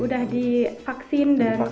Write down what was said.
sudah di vaksin dan